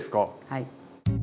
はい。